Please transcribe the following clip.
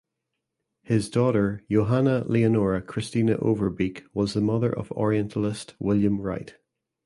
His daughter Johanna Leonora Christina Overbeek was the mother of orientalist William Wright.